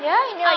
ya ini lagi